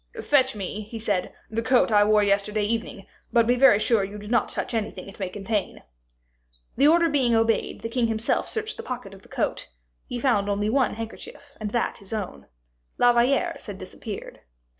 "Fetch me," he said, "the coat I wore yesterday evening, but be very sure you do not touch anything it may contain." The order being obeyed, the king himself searched the pocket of the coat; he found only one handkerchief, and that his own; La Valliere's had disappeared.